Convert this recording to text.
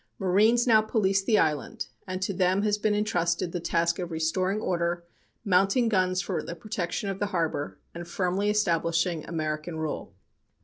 Marines now police the island, and to them has been entrusted the task of restoring order, mounting guns for the protection of the harbor, and firmly establishing American rule.